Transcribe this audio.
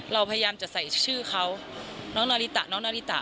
เราพยายามจะใส่ชื่อเขาน้องนาริตะน้องนาริตะ